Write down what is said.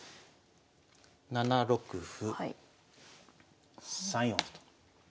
７六歩３四歩と。